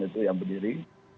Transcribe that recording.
itu yang berdiri